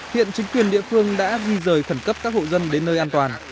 hiện chính quyền địa phương đã di rời khẩn cấp các hộ dân đến nơi an toàn